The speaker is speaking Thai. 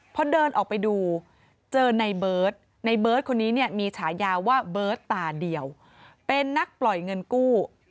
พอเดินออกไปดูเจอในเบิร์ตในเบิร์ตคนนี้เนี่ยมีฉายาว่าเบิร์ตตาเดียวเป็นนักปล่อยเงินกู้